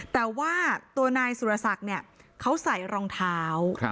แต่ว่าตัวนายสุรศักดิ์เขาใส่รองเท้า